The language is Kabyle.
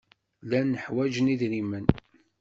Llan ḥwajen idrimen.